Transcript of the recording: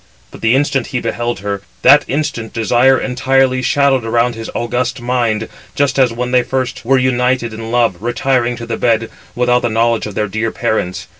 But the instant he beheld her, that instant 475 desire entirely shadowed around his august mind, just as when they first were united in love, retiring to the bed, without the knowledge of their dear parents.